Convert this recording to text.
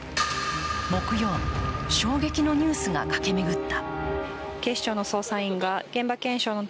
木曜、衝撃のニュースが駆け巡った。